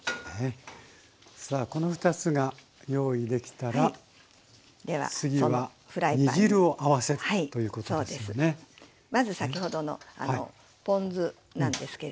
さあこの２つが用意できたら次は煮汁を合わせるということなんですね。